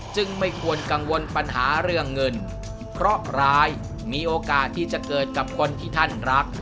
ไม่ควรกังวลปัญหาเรื่องเงินเพราะร้ายมีโอกาสที่จะเกิดกับคนที่ท่านรัก